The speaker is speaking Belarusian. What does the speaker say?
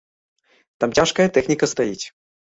Там цяжкая тэхніка стаіць.